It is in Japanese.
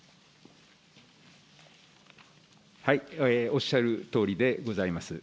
おっしゃるとおりでございます。